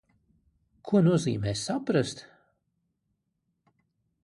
Ko nozīmē saprast?